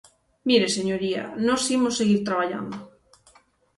Mire, señoría, nós imos seguir traballando.